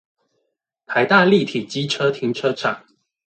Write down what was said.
臺大立體機車停車場